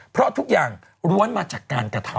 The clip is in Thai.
เพราะทุกอย่างล้วนมาจากการกระทำ